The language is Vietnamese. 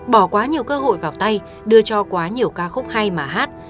bỏ quá nhiều cơ hội vào tay đưa cho quá nhiều ca khúc hay mà hát